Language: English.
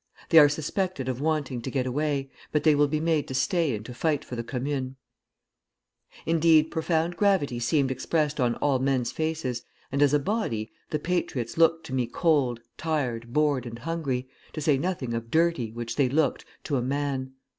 They are suspected of wanting to get away, but they will be made to stay and to fight for the Commune.' "Indeed, profound gravity seemed expressed on all men's faces, and as a body, the patriots looked to me cold, tired, bored, and hungry, to say nothing of dirty, which they looked, to a man.